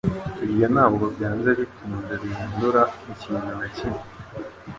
Ibyo ntabwo byanze bikunze bihindura ikintu na kimwe.